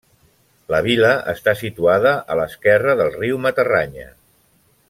La vila està situada a l'esquerra del riu Matarranya.